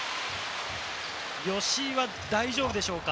吉井は大丈夫でしょうか？